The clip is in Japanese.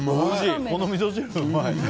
このみそ汁、うまい。